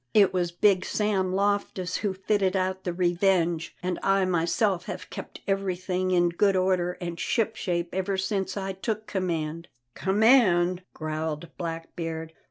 It was Big Sam Loftus who fitted out the Revenge, and I myself have kept everything in good order and ship shape ever since I took command." "Command!" growled Blackbeard.